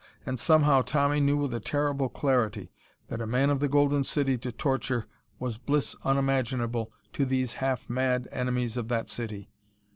And somehow Tommy knew with a terrible clarity that a man of the Golden City to torture was bliss unimaginable to these half mad enemies of that city.